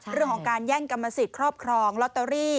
เรื่องของการแย่งกรรมสิทธิ์ครอบครองลอตเตอรี่